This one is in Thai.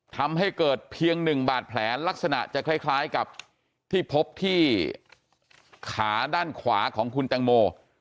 ทำให้เกิดเพียง๑บาดแผลลักษณะจะคล้ายกับที่พบที่ขาด้านขวาของคุณแตงโม